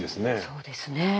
そうですね。